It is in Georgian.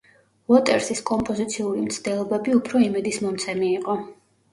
უოტერსის კომპოზიციური მცდელობები უფრო იმედის მომცემი იყო.